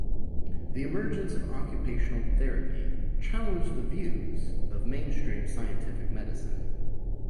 The emergence of occupational therapy challenged the views of mainstream scientific medicine.